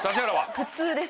普通です